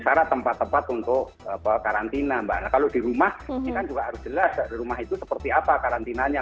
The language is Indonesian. syarat tempat tempat untuk karantina mbak kalau di rumah kita juga harus jelas rumah itu seperti apa karantinanya